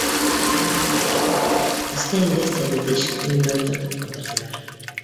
Эскә ингәс тә беҙҙе ишек төбөндә ултыртып ҡалдырҙылар.